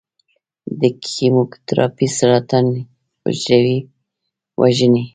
د کیموتراپي سرطان حجرو وژني.